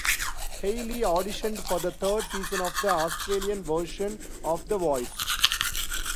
Hayley auditioned for the third season of the Australian version of "The Voice".